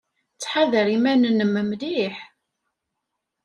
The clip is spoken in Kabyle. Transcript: Ttḥadar iman-nnem mliḥ.